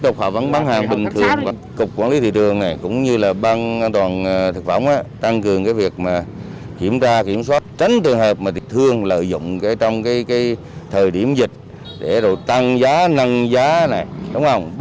đảm bảo hoạt động cung ứng hàng hóa thiết yếu không bị đứt gãy